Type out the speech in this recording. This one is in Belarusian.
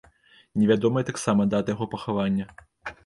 Невядомая таксама дата яго пахавання.